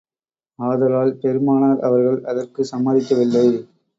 ஆதலால், பெருமானார் அவர்கள் அதற்கும் சம்மதிக்கவில்லை.